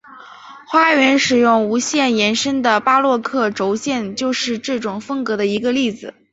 花园使用无限延伸的巴洛克轴线就是这种风格的一个例子。